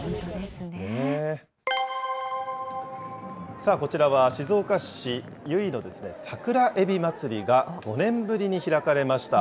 さあ、こちらは静岡市由比の桜えびまつりが５年ぶりに開かれました。